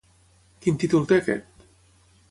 Quin títol té aquest?